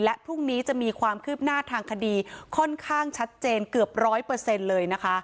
และพรุ่งนี้จะมีความคืบหน้าทางคดีค่อนข้างชัดเจนเกือบร้อยเปอร์เซ็นต์เลยนะคะ